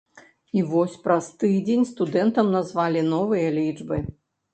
І вось праз тыдзень студэнтам назвалі новыя лічбы.